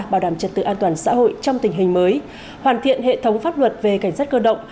bảo đảm trật tự an toàn xã hội trong tình hình mới hoàn thiện hệ thống pháp luật về cảnh sát cơ động